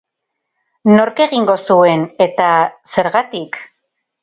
Nork egingo zuen... eta, zergatik?